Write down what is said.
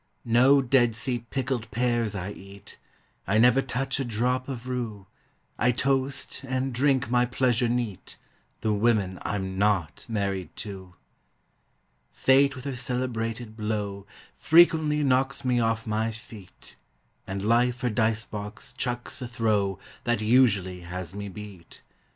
No Dead Sea pickled pears I eat; I never touch a drop of rue; I toast, and drink my pleasure neat, The women I'm not married to! Fate with her celebrated blow Frequently knocks me off my feet; And Life her dice box chucks a throw That usually has me beat.